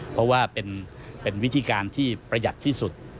เพราะว่าเป็นวิธีการที่ประหยัดที่สุด